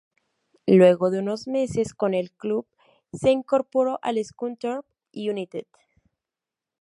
Luego de unos meses con el club, se incorporó al Scunthorpe United.